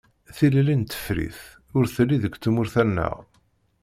Tilelli n tefrit ur telli deg tmurt-a-nneɣ.